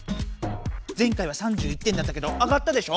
前回は３１点だったけど上がったでしょ？